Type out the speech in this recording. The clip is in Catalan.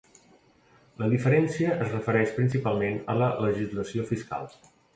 La diferència es refereix principalment a la legislació fiscal.